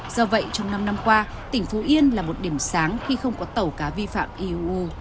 do vậy trong năm năm qua tỉnh phú yên là một điểm sáng khi không có tàu cá vi phạm iuu